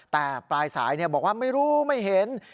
แต่ปลายสายบอกว่าไม่รู้ไม่เห็น